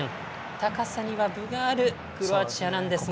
高さには分があるクロアチアなんですが。